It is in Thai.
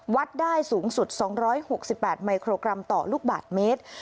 วัดได้สูงสุด๒๖๘มิโครกรัมต่อลูกบาทเมตร